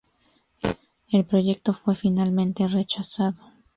El proyecto fue finalmente rechazado.